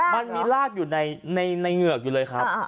มันมีรากอยู่ในเหงือกอยู่เลยครับ